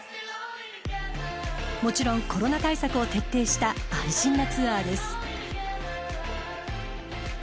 もちろんコロナ対策を徹底した安心なツアーです。